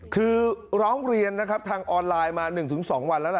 คือร้องเรียนนะครับทางออนไลน์มา๑๒วันแล้วล่ะ